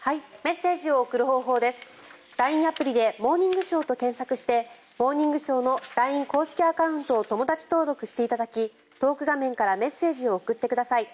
アプリで「モーニングショー」と検索をして「モーニングショー」のＬＩＮＥ公式アカウントを友だち登録していただきトーク画面からメッセージを送ってください。